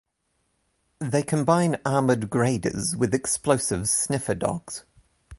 They combine armoured graders with explosives sniffer dogs.